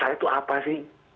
saya tuh apa sih